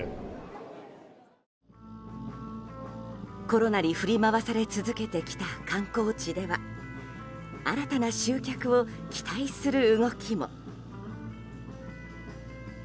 コロナに振り回され続けてきた観光地では新たな集客を期待する動きも。